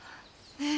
え